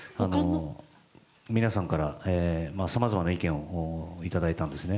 皆さんからさまざまな意見をいただいたんですね。